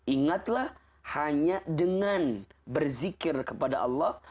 ingatlah hanya dengan berzikir kepada allah